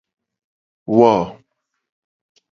Wo.